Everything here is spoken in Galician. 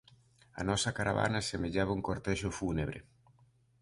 A nosa caravana semellaba un cortexo fúnebre.